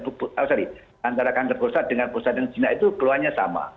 oh maaf antara kanker prostat dengan prostat yang gina itu keluhannya sama